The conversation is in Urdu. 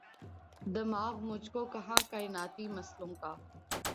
دماغ مجھ کو کہاں کائناتی مسئلوں کا